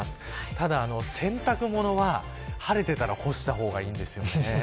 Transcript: ただ、洗濯物は、晴れていたら干した方がいいです。